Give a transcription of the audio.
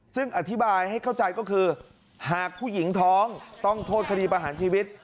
ซึ่งอธิบายให้เข้าใจก็คือหากผู้หญิงท้องต้องโทษคดีประหารชีวิต